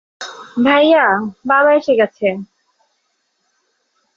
ভাইয়া, বাবা এসে গেছে।